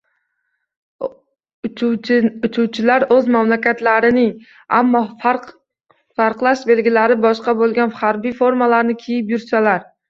Uchuvchilar o‘z mamlakatlarining, ammo farqlash belgilari boshqa bo‘lgan harbiy formalarini kiyib yursalar